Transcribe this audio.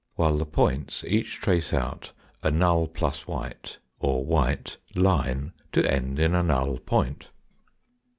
While the points each trace out a null + white, or white line to end in. a null point.